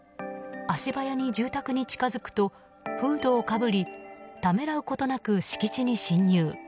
足早に住宅に近づくとフードをかぶりためらうことなく敷地に侵入。